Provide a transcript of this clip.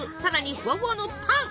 ふわふわのパン！